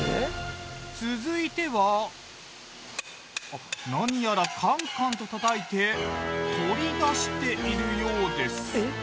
続いては何やらカンカンとたたいて取り出しているようです。